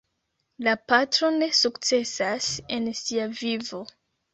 La patro ne sukcesas en sia vivo.